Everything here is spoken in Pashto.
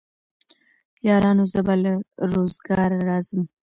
يارانو زه به له روزګاره راځم